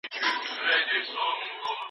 نوښت د ازاد فکر محصول دی.